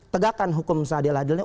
tegakkan hukum seadil adilnya